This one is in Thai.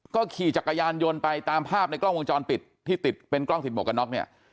ก็ขี่จักรยานยนต์ไปตามภาพในกล้องวงจรปิดที่ติดเป็นกล้องติดหมวกกันน็อกเนี่ย